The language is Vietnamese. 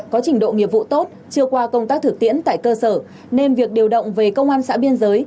có trình độ nghiệp vụ tốt chưa qua công tác thực tiễn tại cơ sở nên việc điều động về công an xã biên giới